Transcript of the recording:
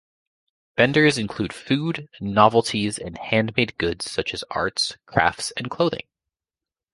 Vendors include food, novelties, and handmade goods such as arts, crafts, and clothing.